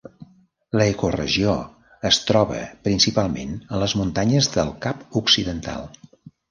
L’ecoregió es troba principalment a les muntanyes del Cap Occidental.